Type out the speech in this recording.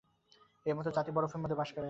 Eskimo জাতি বরফের মধ্যে বাস করে।